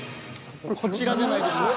こちらじゃないでしょうか。